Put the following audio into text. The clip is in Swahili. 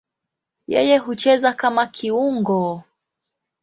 Yeye hucheza kama kiungo.